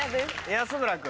安村君。